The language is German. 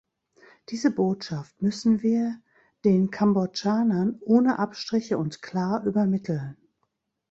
Diese Botschaft müssen wir den Kambodschanern ohne Abstriche und klar übermitteln.